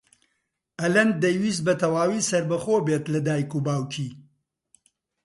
ئەلەند دەیویست بەتەواوی سەربەخۆ بێت لە دایک و باوکی.